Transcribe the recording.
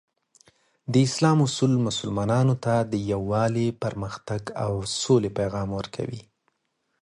د اسلام اصول مسلمانانو ته د یووالي، پرمختګ، او سولې پیغام ورکوي.